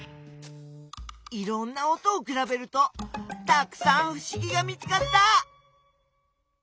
いろんな音をくらべるとたくさんふしぎが見つかった！